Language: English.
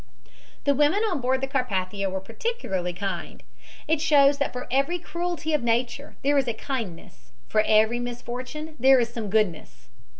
"The women on board the Carpathia were particularly kind. It shows that for every cruelty of nature there is a kindness, for every misfortune there is some goodness.